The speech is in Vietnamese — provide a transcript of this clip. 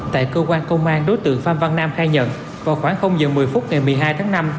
tại cơ quan công an đối tượng phan văn nam khai nhận vào khoảng giờ một mươi phút ngày một mươi hai tháng năm